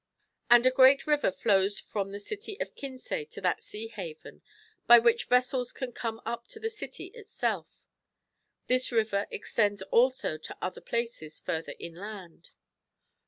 And a great river flows from the 150 MARCO POLO. Book II. city of Kinsay to that sea haven, by which vessels can come up to the city itself. This river extends also to other places further inland.